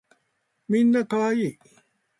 みんな可愛い